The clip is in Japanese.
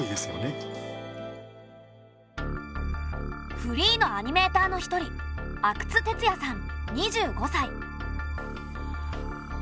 フリーのアニメーターの一人阿久津徹也さん２５さい。